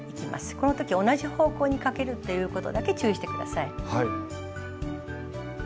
この時同じ方向にかけるということだけ注意して下さい。